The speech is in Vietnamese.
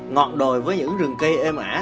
ngọt đồi với những rừng cây êm ả